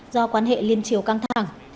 do quan hệ liên triều căng thẳng